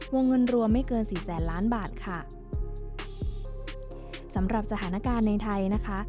วงเงินรวมไม่เกินสี่แสนล้านบาทค่ะสำหรับสถานการณ์ในไทยนะคะ